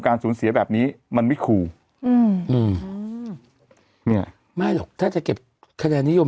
การสูญเสียแบบนี้มันไม่คู่ไม่หรอกถ้าจะเก็บคะแนนนิยม